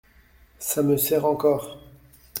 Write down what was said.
Ca me serre encore…